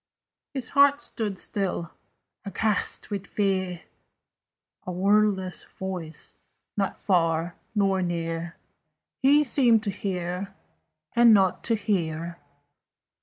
His heart stood still, aghast with fear; A wordless voice, nor far nor near, He seemed to hear and not to hear.